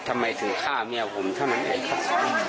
ทำไมถึงฆ่าแม่ผมถ้ามันแอบครับ